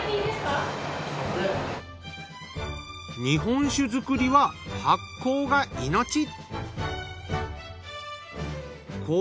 日本酒造りは発酵が命。